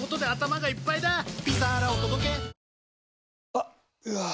あっ、うわー。